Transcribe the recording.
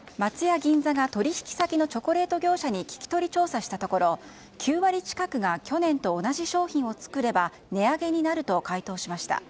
銀座が取引先のチョコレート業者に聞き取り調査したところ９割近くが去年と同じ商品を作れば値上げになると回答しました。